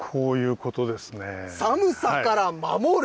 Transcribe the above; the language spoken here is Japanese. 寒さから守る！